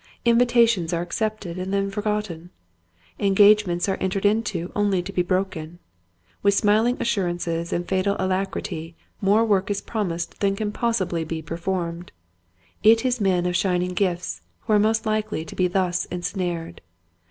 Invitations are accepted and then forgotten. Engagements are entered into only to be broken. With smiling assur ances and fatal alacrity more work is promised than can possibly be performed. It is men of shining gifts who are most likely to be thus ensnared.